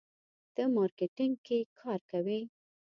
ته مارکیټینګ کې کار کوې.